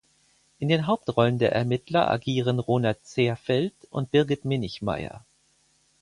In den Hauptrollen der Ermittler agieren Ronald Zehrfeld und Birgit Minichmayr.